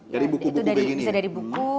dari buku buku begini bisa dari buku